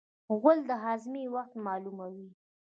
غول د هاضمې وخت معلوموي.